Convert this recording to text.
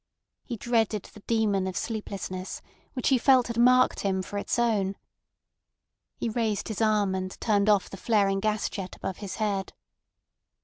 He dreaded the demon of sleeplessness, which he felt had marked him for its own. He raised his arm, and turned off the flaring gas jet above his head.